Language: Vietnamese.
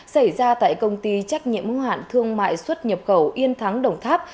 xảy ra tại công ty trách nhiệm hữu hạn thương mại xuất nhập khẩu yên thắng đồng tháp